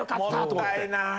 もったいない。